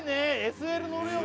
ＳＬ乗るよ